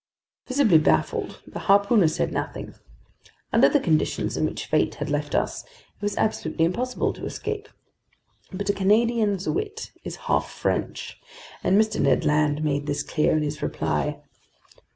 Visibly baffled, the harpooner said nothing. Under the conditions in which fate had left us, it was absolutely impossible to escape. But a Canadian's wit is half French, and Mr. Ned Land made this clear in his reply.